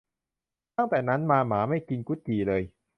ตั้งแต่นั้นมาหมาไม่กินกุดจี่เลย